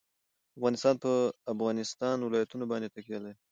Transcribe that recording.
افغانستان په د افغانستان ولايتونه باندې تکیه لري.